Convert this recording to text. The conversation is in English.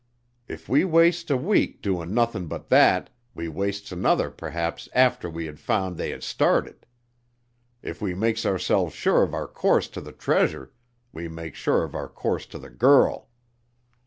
If we wastes a week doin' nothin' but thet, we wastes another perhaps arter we had found they has started. If we makes ourselves sure of our course to th' treasure, we makes sure of our course to th' girl.